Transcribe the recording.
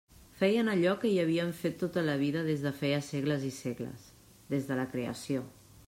Feien allò que hi havien fet tota la vida des de feia segles i segles, des de la creació.